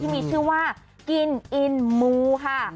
มีชื่อว่ากินอินมูค่ะ